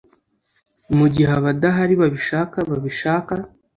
Mugihe abadahari babishaka babishaka,